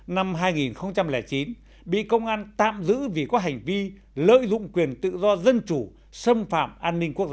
năm hai nghìn chín bị công an tạm giữ vì có hành vi lợi dụng quyền tự do dân chủ xâm phạm an ninh quốc gia